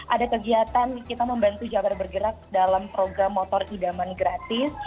ada kegiatan kita membantu jabar bergerak dalam program motor idaman gratis